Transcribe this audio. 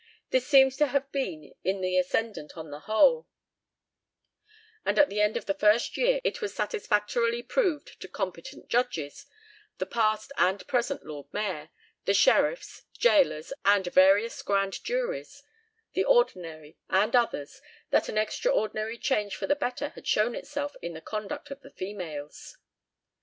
This seems to have been in the ascendant on the whole, and at the end of the first year it was satisfactorily proved to competent judges, the past and present Lord Mayor, the sheriffs, gaolers, and various grand juries, the ordinary, and others, that an extraordinary change for the better had shown itself in the conduct of the females.